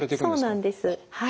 そうなんですはい。